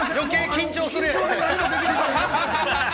◆緊張で何もできなくなる。